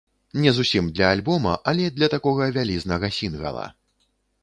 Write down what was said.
Не зусім для альбома, але для такога вялізнага сінгала.